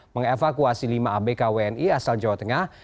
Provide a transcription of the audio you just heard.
mengevakuasi lima abk wni asal jawa tengah